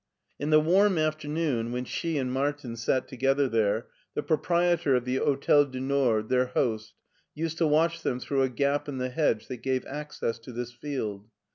In the warm afternoon, when she and Martin sat together there, the proprietor of the Hotel du Nord, their host, used to watch them through a gap in the hedge that gave access to this field.